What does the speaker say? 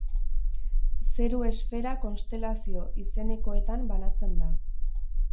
Zeru esfera konstelazio izenekoetan banatzen da.